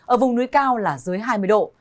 ở vùng núi cao là dưới hai mươi độ